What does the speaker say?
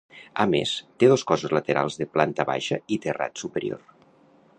A més, té dos cossos laterals de planta baixa i terrat superior.